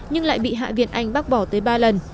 nhưng lại bị hạ viện anh bác bỏ tới ba lần